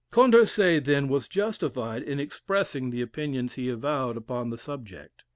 Condorcet, then, was justified in expressing the opinions he avowed upon the subject.